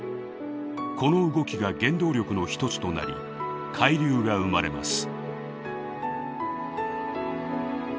この動きが原動力の一つとなり海流が生まれます。